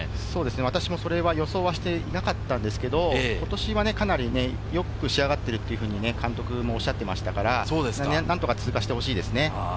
私もそれは予想していなかったんですが、ことしは、かなりよく仕上がっているというふうに監督もおっしゃっていましたから、何とか通過してほしいですね。